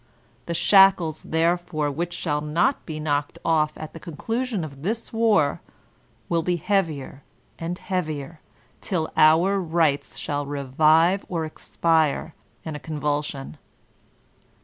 The shackles, therefore, which shall not be knocked off at the ia9 yOLTAnUNE DE ClEYKE conchuion of this war, will be heavier and heavier, oar rights shall revive or expire in a ooovnlsion.''